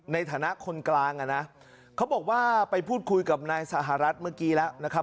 ในฐานะคนกลางอ่ะนะเขาบอกว่าไปพูดคุยกับนายสหรัฐเมื่อกี้แล้วนะครับ